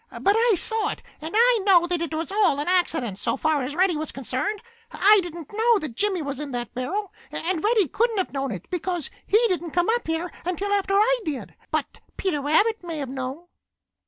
But I saw it all, and I know that it was all an accident so far as Reddy was concerned. I didn't know that Jimmy was in that barrel, and Reddy couldn't have known it, because he didn't come up here until after I did. But Peter Rabbit may have known.